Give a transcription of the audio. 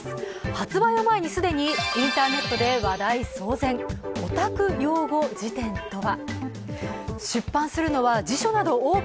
発売を前に既にインターネットで話題騒然、「オタク用語辞典」とは？